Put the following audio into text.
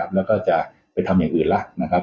แล้วก็จะไปทำอย่างอื่นล่ะ